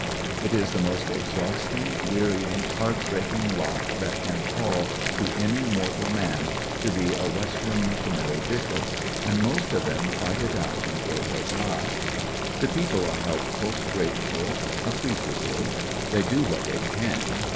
It is the most exhausting, wearying, heartbreaking lot that can fall to any mortal man, to be a Western missionary bishop, and most of them fight it out until they die. The people are helpfol, grateful, and appreciative. They do what they can.